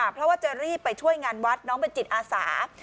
เพราะว่าจะรีบไปช่วยงานวัดน้องเป็นจิตอาสา